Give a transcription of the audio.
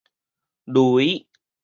癗